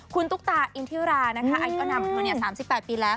คุณตุ๊กตาอินทิวรานะคะอายุอันนานบันเทิงเนี่ย๓๘ปีแล้ว